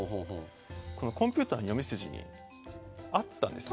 このコンピューターの読み筋にあったんですよね。